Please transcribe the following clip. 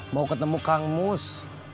mau ketemu kang mus